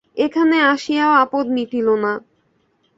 এখানে আসিয়াও আপদ মিটিল না।